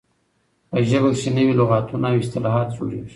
په ژبه کښي نوي لغاتونه او اصطلاحات جوړیږي.